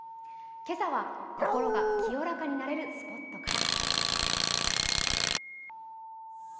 今朝は、心が清らかになれるスポットから。